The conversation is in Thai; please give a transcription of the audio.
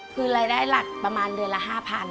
คือรายได้หลักประมาณเดือนละ๕๐๐